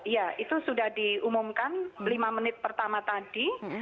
ya itu sudah diumumkan lima menit pertama tadi